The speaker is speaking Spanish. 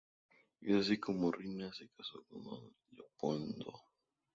Es así como Rina se casa con Don Leopoldo.